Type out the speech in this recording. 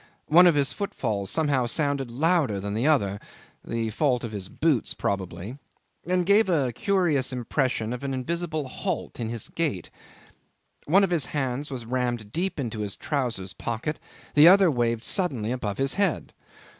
One of his footfalls somehow sounded louder than the other the fault of his boots probably and gave a curious impression of an invisible halt in his gait. One of his hands was rammed deep into his trousers' pocket, the other waved suddenly above his head.